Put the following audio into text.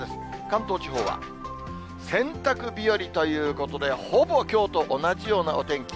関東地方は洗濯日和ということで、ほぼきょうと同じようなお天気。